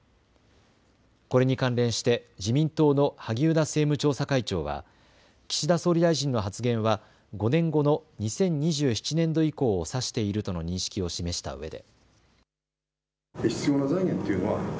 これに関連して自民党の萩生田政務調査会長は岸田総理大臣の発言は５年後の２０２７年度以降を指しているとの認識を示したうえで。